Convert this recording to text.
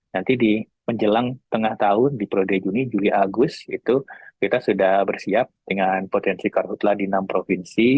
nanti di menjelang tengah tahun di periode juni juli agustus itu kita sudah bersiap dengan potensi karhutlah di enam provinsi